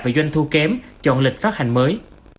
về doanh thu kém chọn lịch phát hành mới